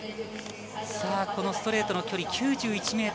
このストレイトの距離９１ｍ５０。